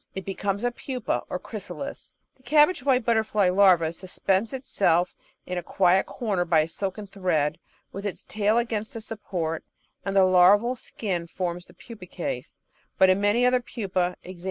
It becomes a pupa, or chrysalis. The Cabbage White Butterfly larva suspends itself in a quiet corner by a silken thread, with its tail against a support, and the larval skin forms the pupa case, but many other pupse (e.